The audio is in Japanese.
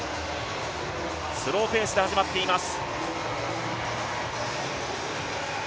スローペースで始まっています。